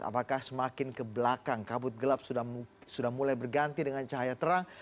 apakah semakin ke belakang kabut gelap sudah mulai berganti dengan cahaya terang